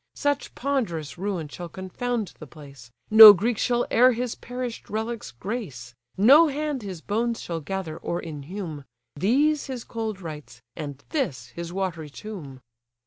Such ponderous ruin shall confound the place, No Greeks shall e'er his perish'd relics grace, No hand his bones shall gather, or inhume; These his cold rites, and this his watery tomb."